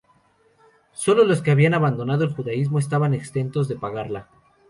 Sólo los que habían abandonado el judaísmo estaban exentos de pagarla.